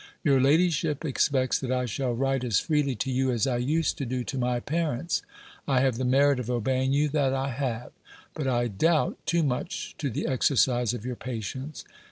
Your ladyship expects that I shall write as freely to you as I used to do to my parents. I have the merit of obeying you, that I have; but, I doubt, too much to the exercise of your patience.